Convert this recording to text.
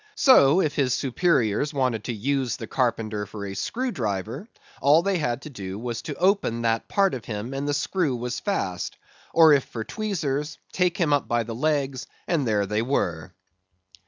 So, if his superiors wanted to use the carpenter for a screw driver, all they had to do was to open that part of him, and the screw was fast: or if for tweezers, take him up by the legs, and there they were.